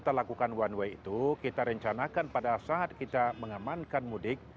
pergerakan one way itu kita rencanakan pada saat kita mengemankan mudik